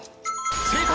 正解！